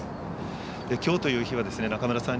きょうという日は中村さんに